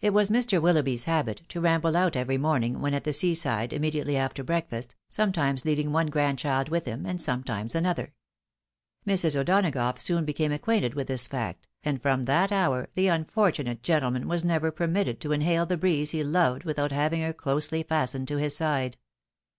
It was Mr. Willoughby's habit to ramble out every morning when at the sea side immediately after breakfast, sometimes leading one grandchild with him, and sometimes another, Mrs. RETREAT, 191 O'Donagougli soon became acquainted with this fact, and from that hour the unfortunate gentleman was never permitted to inhale the breeze he loved without having her closely fastened to his side.